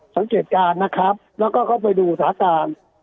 สังเกตการณ์นะครับแล้วก็ไปดูสถานที่